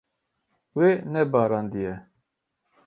Wê nebarandiye.